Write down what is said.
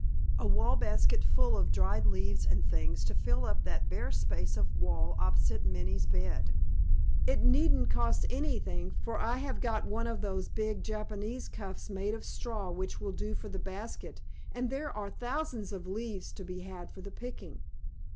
"A wall basket full of dried leaves and things to fill up that bare space of wall opposite Minnie's bed. It needn't cost anything, for I have got one of those big Japanese cuffs made of straw which will do for the basket, and there are thousands of leaves to be had for the picking."